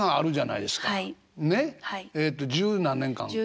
えっと十何年間。